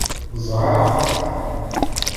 Ẓẓɛeɣ-t.